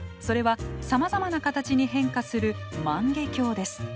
それはさまざまな形に変化する万華鏡です。